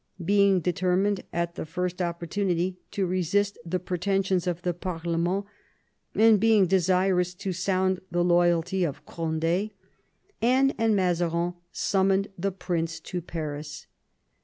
Being determined at the first opportunity to resist the pre tensions of the parlemerU, and being desirous to sound ^ the loyalty of Cond^, Anne and Mazarin summoned the prince to Paris.